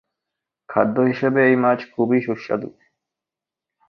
খাদ্য হিসেবে এই মাছ খুবই সুস্বাদু।